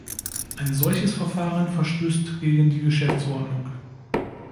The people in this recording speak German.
Ein solches Verfahren verstößt gegen die Geschäftsordnung.